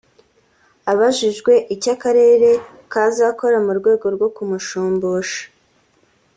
Abajijwe icyo akarere kazakora mu rwego rwo kumushumbusha